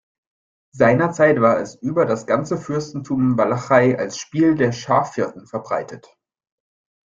Seinerzeit war es über das ganze Fürstentum Walachei als Spiel der Schafhirten verbreitet.